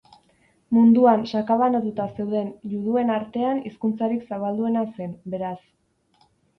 Munduan sakabanatuta zeuden juduen artean hizkuntzarik zabalduena zen, beraz.